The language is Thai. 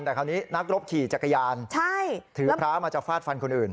แต่คราวนี้นักรบขี่จักรยานถือพระมาจะฟาดฟันคนอื่น